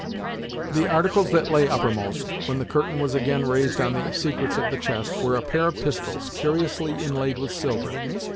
The articles that lay uppermost, when the curtain was again raised on the secrets of the chest, were a pair of pistols, curiously inlaid with silver.